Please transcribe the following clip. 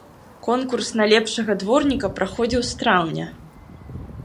Конкурс на лепшага дворніка праходзіў з траўня.